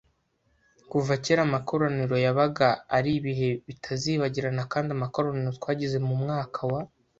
Kuva kera amakoraniro yabaga ari ibihe bitazibagirana kandi amakoraniro twagize mu mwaka wa